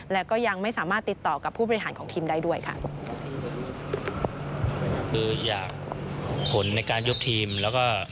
และก็ยังไม่สามารถติดต่อกับผู้บริหารของทีมได้ด้วยค่ะ